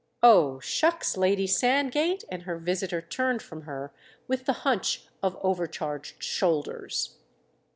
"Oh, shucks, Lady Sandgate!"—and her visitor turned from her with the hunch of overcharged shoulders.